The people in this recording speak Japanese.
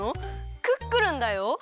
クックルンだよ？